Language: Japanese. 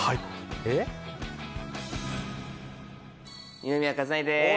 二宮和也です！